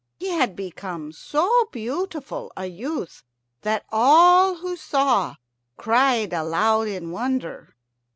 He had become so beautiful a youth that all who saw cried aloud in wonder.